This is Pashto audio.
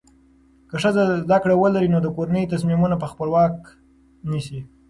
که ښځه زده کړه ولري، نو د کورنۍ تصمیمونه په خپلواکه نیسي.